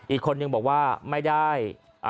อีกคนนึงบอกว่าไม่ได้